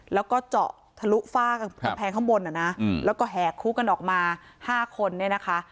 แล้วก็เจาะทะลุฟ่ากับแผงข้างบนแล้วก็แหกคุกกันออกมา๕คน